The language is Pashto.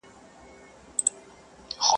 o تور سپى د وزگړي په بيه ورکوي.